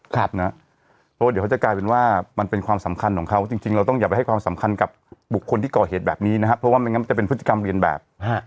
เพราะว่าเดี๋ยวเขาจะกลายเป็นว่ามันเป็นความสำคัญของเขาจริงเราต้องอย่าไปให้ความสำคัญกับบุคคลที่ก่อเหตุแบบนี้นะครับ